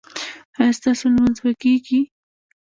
ایا ستاسو لمونځ به کیږي؟